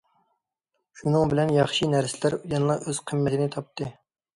شۇنىڭ بىلەن ياخشى نەرسىلەر يەنىلا ئۆز قىممىتىنى تاپتى.